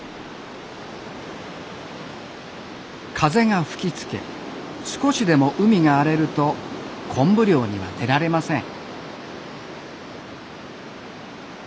風が吹きつけ少しでも海が荒れると昆布漁には出られません。